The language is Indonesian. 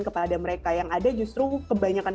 kepada mereka yang ada justru kebanyakan